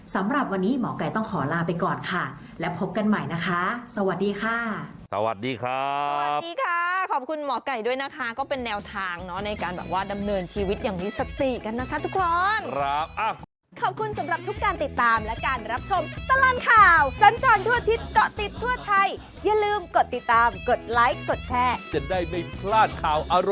สำหรับวันนี้หมอกัยต้องขอลาไปก่อนค่ะและพบกันใหม่นะคะสวัสดีค่ะ